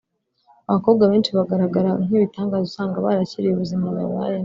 Abakobwa benshi bagaragara nk’ibitangaza usanga barakiriye ubuzima babayemo